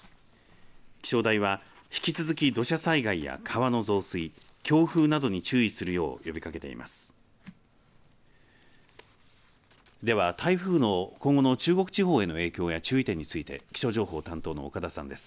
気象台は、引き続き土砂災害や川の増水、強風などに注意するよう呼びかけています。